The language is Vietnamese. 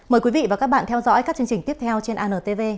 mời quý vị và các bạn theo dõi các chương trình tiếp theo trên antv